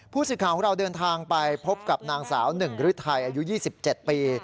ผู้สื่อข่าวของเราเดินทางไปพบกับนางสาวหนึ่งฤทัยอายุ๒๗ปี